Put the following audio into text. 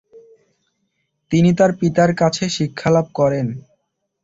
তিনি তার পিতার কাছে শিক্ষালাভ করেন।